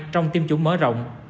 trong tiêm chủng mở rộng